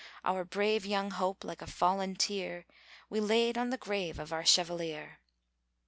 Our brave young hope, like a fallen tear, We laid on the grave of our Chevalier.